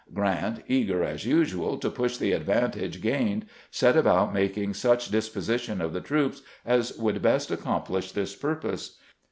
G rant, eager as usual to push the advantage gained, set about making such disposition of the troops as would best accomplish this purpose.